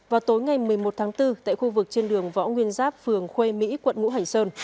vào tối ngày một mươi một tháng bốn tại khu vực trên đường võ nguyên giáp phường khuê mỹ quận ngũ hành sơn